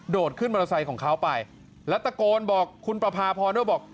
ขึ้นมอเตอร์ไซค์ของเขาไปแล้วตะโกนบอกคุณประพาพรด้วยบอก